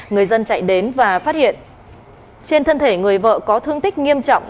người dân chạy đến và phát hiện trên thân thể người vợ có thương tích nghiêm trọng